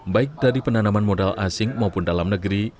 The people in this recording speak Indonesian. baik dari penanaman modal asing maupun dalam negeri